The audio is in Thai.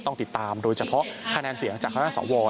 ต้องติดตามโดยเฉพาะคะแนนเสียงจากทางด้านสอวร